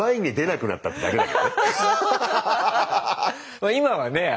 まあ今はね